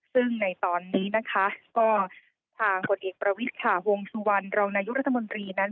ซึ่งในตอนนี้นะคะก็ทางผลเอกประวิทย์ค่ะวงสุวรรณรองนายกรัฐมนตรีนั้น